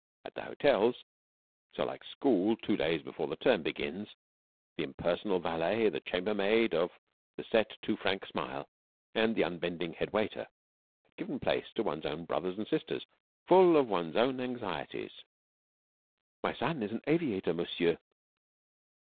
At the hotels, so like school two days before the term begins, the impersonal valet, the chambermaid of the set two franc smile, and the unbending head waiter had given place to one's own brothers and sisters, full of one's own anxieties. "My son is an aviator, monsieur.